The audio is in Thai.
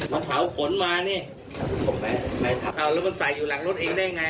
แล้วมันใส่อยู่หลังรถเองได้ไง